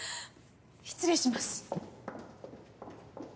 失礼します。